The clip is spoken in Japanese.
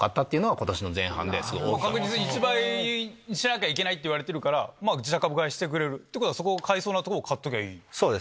確実に１倍しなきゃいけないから自社株買いしてくれる。ってことはそこを買いそうなとこを買っときゃいい。